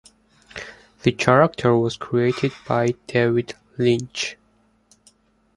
The character was created by David Lynch.